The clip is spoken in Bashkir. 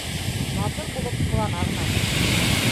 Батыр булып ҡылана ғына